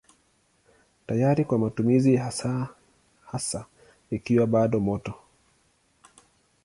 Tayari kwa matumizi hasa hasa ikiwa bado moto.